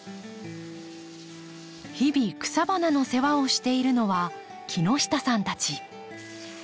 日々草花の世話をしているのは木下さんたち。